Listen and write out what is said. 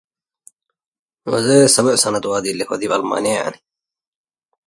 Choose the correct prepositions to complete the text.